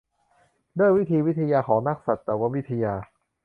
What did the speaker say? ด้วยวิธีวิทยาของนักสัตววิทยา